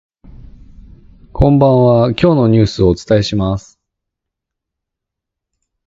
こんばんは、今日のニュースをお伝えします。